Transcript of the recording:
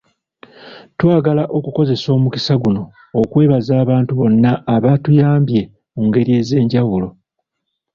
Twagala okukozesa omukisa guno okwebaza abantu bonna abatuyambye mu ngeri ez’enjawulo.